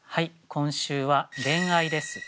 今週は「恋愛」です。